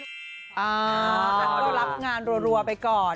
เราก็รับงานรัวไปก่อน